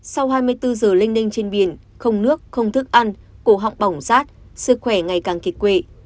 sau hai mươi bốn giờ linh đinh trên biển không nước không thức ăn cổ họng bỏng rát sức khỏe ngày càng kiệt quệ